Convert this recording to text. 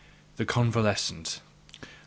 THE CONVALESCENT. 1.